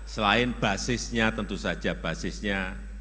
selain basisnya tentu saja basisnya